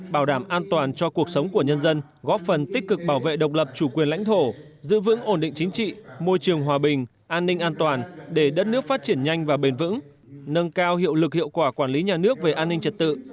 bảo đảm an toàn cho cuộc sống của nhân dân góp phần tích cực bảo vệ độc lập chủ quyền lãnh thổ giữ vững ổn định chính trị môi trường hòa bình an ninh an toàn để đất nước phát triển nhanh và bền vững nâng cao hiệu lực hiệu quả quản lý nhà nước về an ninh trật tự